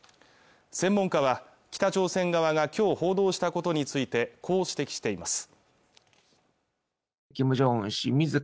専門家は北朝鮮側がきょう報道したことについてこう指摘しています